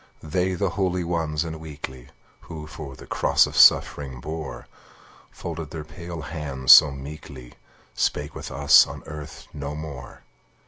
They, the holy ones and weakly, Who the cross of suffering bore, Folded their pale hands so meekly, Spake with us on earth no more!